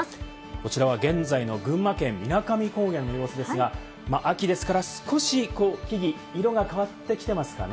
こちらは現在の群馬県水上高原の様子ですが、秋ですから少し、木々、色が変わってきてますかね。